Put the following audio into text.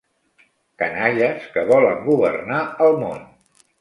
Canalles que volen governar el món.